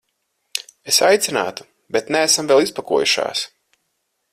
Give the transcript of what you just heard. Es aicinātu, bet neesam vēl izpakojušās.